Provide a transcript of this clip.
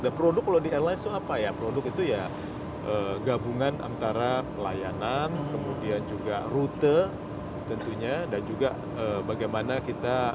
dan produk kalau di airlines itu apa ya produk itu ya gabungan antara pelayanan kemudian juga rute tentunya dan juga bagaimana kita